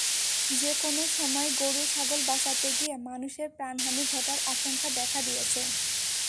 যেকোনো সময় গরু-ছাগল বাঁচাতে গিয়ে মানুষের প্রাণহানি ঘটার আশঙ্কা দেখা দিয়েছে।